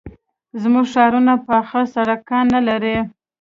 زموږ ښارونه پاخه سړکان نه لري.